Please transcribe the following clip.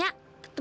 aku mau pergi